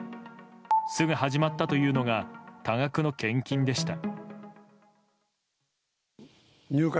すぐ始まったというのが多額の献金でした。